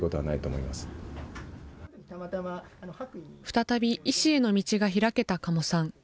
再び医師への道が開けた嘉茂さん。